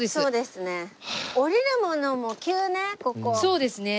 そうですね。